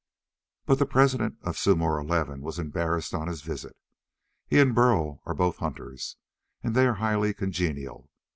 But the President of Sumor XI was embarrassed on his visit. He and Burl are both hunters, and they are highly congenial.